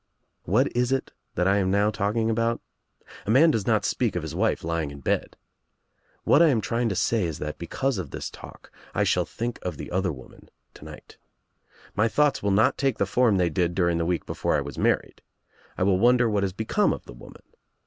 "What is it that I am now talking about? A man does not speak of his wife lying in bed. What I am trying to say is that, because of this talk, I shall think of the other woman to night. My thoughts will not take the form they did during the week before I was married. I will wonder what has become of the woman.